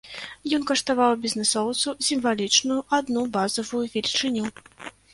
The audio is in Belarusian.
Ён каштаваў бізнэсоўцу сімвалічную адну базавую велічыню.